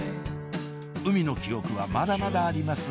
海の記憶はまだまだあります